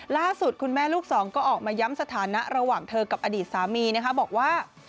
ล่าสุดคุณแม่ลูกสองก็ออกมาย้ำสถานะระหว่างเธอกับอดีตสามีนะคะบอกว่า